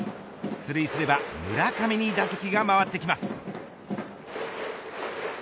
出塁すれば村上に打席が回ってきます。